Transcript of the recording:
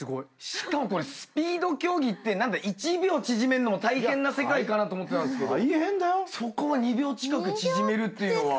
しかもこれスピード競技って１秒縮めるのも大変な世界かなと思ってたんですけどそこを２秒近く縮めるっていうのは。